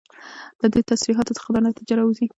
له دي تصريحاتو څخه دا نتيجه راوځي